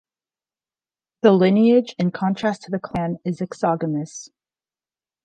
The lineage, in contrast to the clan, is exogamous.